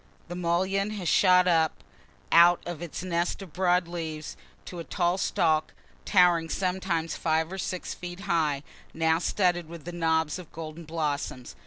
The mullein has shot up out of its nest of broad leaves, to a tall stalk towering sometimes five or six feet high, now studded with knobs of golden blossoms.